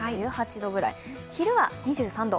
１８度くらい、昼は２３度。